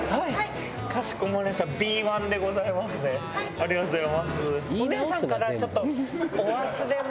ありがとうございます。